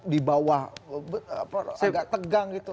di bawah agak tegang gitu